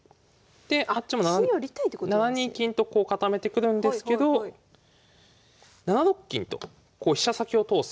であっちも７二金と固めてくるんですけど７六金とこう飛車先を通す。